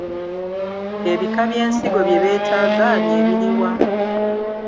Ebika by’ensigo bye beetaaga bye biriwa?